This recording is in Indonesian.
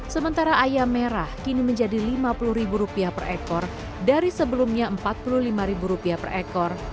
sementara ayam merah kini menjadi rp lima puluh per ekor dari sebelumnya rp empat puluh lima per ekor